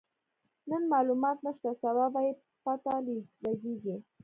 نن مالومات نشته، سبا به يې پته لګيږي.